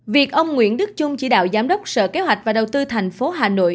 việc ông nguyễn đức trung chỉ đạo giám đốc sở kế hoạch và đầu tư thành phố hà nội